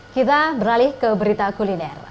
kita beralih ke berita kuliner